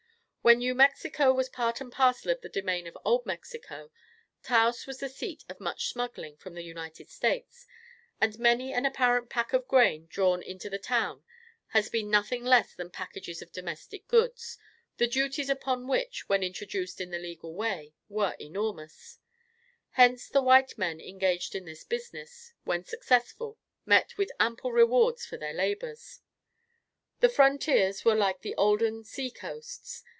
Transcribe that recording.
When New Mexico was part and parcel of the domain of Old Mexico, Taos was the seat of much smuggling from the United States, and many an apparent pack of grain drawn into the town has been nothing less than packages of domestic goods, the duties upon which, when introduced in the legal way, were enormous; hence the white men engaged in this business, when successful, met with ample rewards for their labors. The frontiers were like the olden sea coasts.